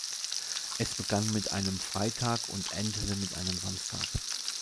Es begann mit einem Freitag und endete mit einem Samstag.